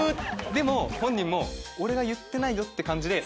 でも本人も俺は言ってないよって感じで。